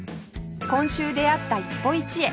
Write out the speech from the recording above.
今週出会った一歩一会